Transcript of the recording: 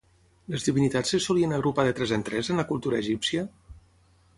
Les divinitats se solien agrupar de tres en tres, en la cultura egípcia?